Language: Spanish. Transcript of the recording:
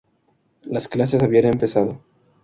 Las clases habían empezado.